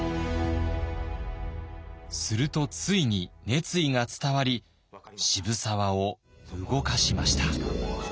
するとついに熱意が伝わり渋沢を動かしました。